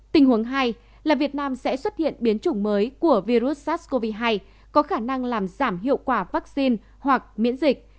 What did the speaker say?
tình huống hai là việt nam sẽ xuất hiện biến chủng mới của virus sars cov hai có khả năng làm giảm hiệu quả vaccine hoặc miễn dịch